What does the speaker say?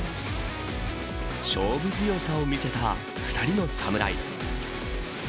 勝負強さを見せた２人の侍。